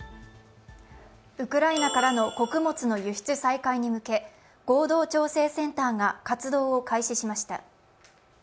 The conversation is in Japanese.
ウクライナからの穀物の輸出再開に向け合同調整センターが活動を開始しました。